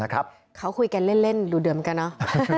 เขาคุยกันเล่นหรือเดิมกันเนอะ